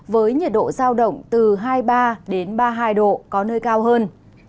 với nhiệt độ giao động từ hai mươi ba đến ba mươi hai độ có nơi cao hơn